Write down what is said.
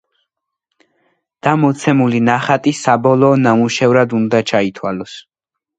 და მოცემული ნახატი საბოლოო ნამუშევრად უნდა ჩაითვალოს.